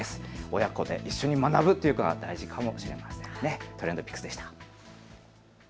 親子で一緒に学ぶというのが大事かもしれませんねＴｒｅｎｄＰｉｃｋｓでした。